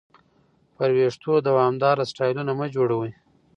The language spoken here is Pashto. پر وېښتو دوامداره سټایلونه مه جوړوئ.